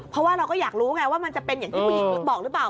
เพราะว่าเราก็อยากรู้ไงว่ามันจะเป็นอย่างที่ผู้หญิงบอกหรือเปล่า